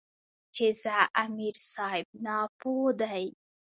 چې ځه امیر صېب ناپوهَ دے ـ